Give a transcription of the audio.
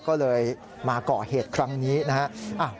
ก็เลยมาก่อเหตุครั้งนี้นะฮะ